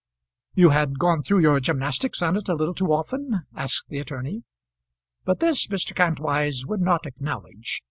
"You had gone through your gymnastics on it a little too often?" asked the attorney. But this Mr. Kantwise would not acknowledge.